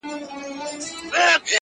هیله ده چې د شپږیزې راتلونکې لوبې هم